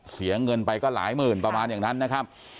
เสียเงินไปก็หลายหมื่นประมาณอย่างนั้นนะครับ